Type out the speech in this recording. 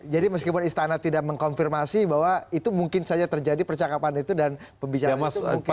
jadi meskipun istana tidak mengkonfirmasi bahwa itu mungkin saja terjadi percakapan itu dan pembicaraan itu mungkin saja